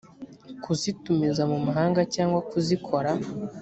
kuzitumiza mu mahanga cyangwa kuzikora